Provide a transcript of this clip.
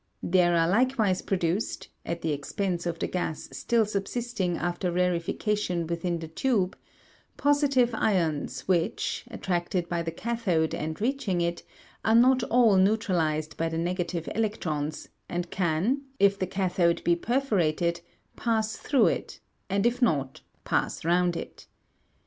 There are likewise produced, at the expense of the gas still subsisting after rarefication within the tube, positive ions which, attracted by the cathode and reaching it, are not all neutralised by the negative electrons, and can, if the cathode be perforated, pass through it, and if not, pass round it.